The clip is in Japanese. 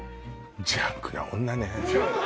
ジャンクな女ね